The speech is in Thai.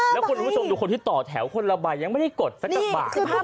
แล้วคุณผู้ชมดูคนที่ต่อแถวคนละใบยังไม่ได้กดสักบาท